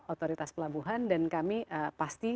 otoritas pelabuhan dan kami pasti